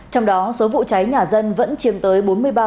trong đó số vụ cháy nhà dân vẫn chiếm tới bốn mươi ba